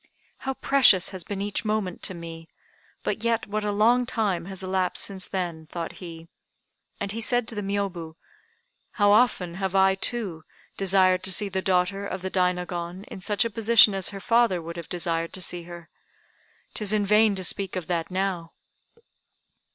"How precious has been each moment to me, but yet what a long time has elapsed since then," thought he, and he said to the Miôbu, "How often have I, too, desired to see the daughter of the Dainagon in such a position as her father would have desired to see her. 'Tis in vain to speak of that now!"